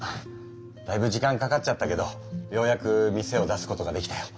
だいぶ時間かかっちゃったけどようやく店を出すことができたよ。